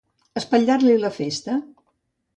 Espatllar-li la festa.